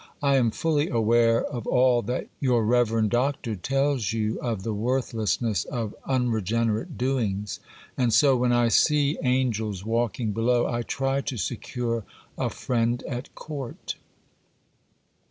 'I am fully aware of all that your reverend Doctor tells you of the worthlessness of unregenerate doings; and so, when I see angels walking below, I try to secure a "friend at court."